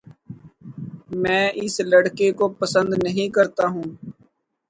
میں اس لڑکے کو پسند نہیں کرتا ہوں